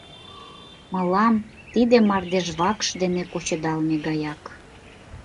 Мылам тиде мардежвакш дене кучедалме гаяк.